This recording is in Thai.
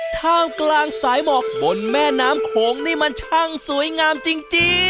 ท่ามกลางสายบอกบนแม่น้ำโขงนี่มันช่างสวยงามจริง